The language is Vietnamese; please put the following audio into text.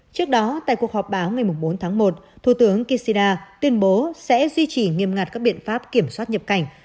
trước đó tại cuộc họp báo ngày bốn tháng một thủ tướng kishida tuyên bố sẽ duy trì nghiêm ngặt các biện pháp kiểm soát nhập cảnh